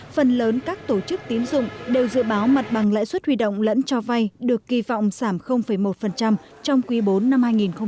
phần lớn các tổ chức tín dụng đều dự báo mặt bằng lãi suất huy động lẫn cho vay được kỳ vọng giảm một trong quý bốn năm hai nghìn hai mươi